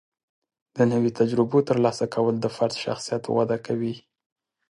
د نوي تجربو ترلاسه کول د فرد شخصیت وده کوي.